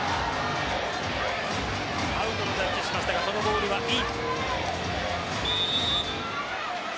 アウトのジャッジをしましたがそのボールはインです。